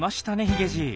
ヒゲじい。